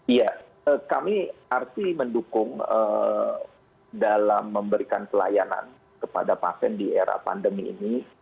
iya kami arti mendukung dalam memberikan pelayanan kepada pasien di era pandemi ini